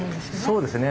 そうですね。